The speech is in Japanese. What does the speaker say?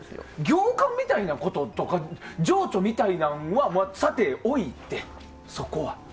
行間みたいなこととか情緒みたいなんはさておいて、そこは。